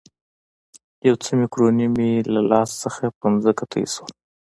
یو څه مکروني مې له لاس څخه پر مځکه توی شول.